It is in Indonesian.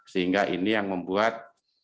sehingga ini yang membuat